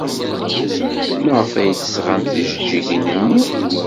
Maɣef ay d-tesɣamt tijeǧǧigin-nni?